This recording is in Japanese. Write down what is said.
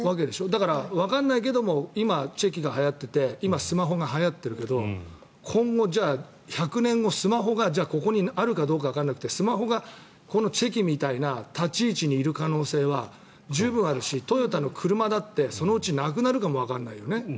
だから、わかんないけども今、チェキがはやっててスマホがはやってるけど今後、１００年後、スマホがここにあるかどうかわからなくてスマホがチェキみたいな立ち位置にいる可能性は十分あるしトヨタの車だってそのうちなくなるかもわからないよね。